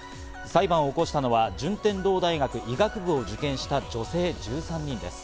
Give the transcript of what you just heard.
裁判を起こしたのは順天堂大学医学部を受験した女性１３人です。